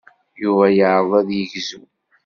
Yuba yeɛreḍ ad yegzu.